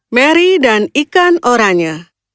mary dan ikan oranya